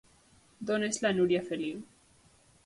D'on és la Núria Feliu?